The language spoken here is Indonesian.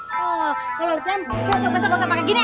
kalau latihan besok besok gak usah pakai gini ya